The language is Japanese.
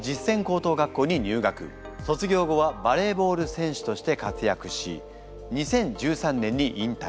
卒業後はバレーボール選手として活躍し２０１３年に引退。